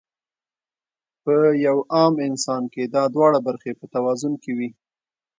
پۀ يو عام انسان کې دا دواړه برخې پۀ توازن کې وي -